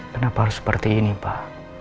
kenapa harus seperti ini pak